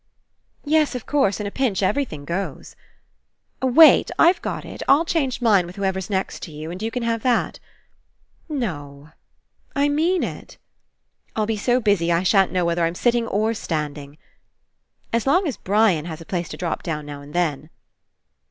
... Yes, of course. In a pinch every thing goes. ... Walt! I've got It! I'll change mine with whoever's next to you, and you can have that. ... No. ... I mean It. ... I'll be so busy I shan't know whether I'm sit ting or standing. ... As long as Brian has a place to drop down now and then.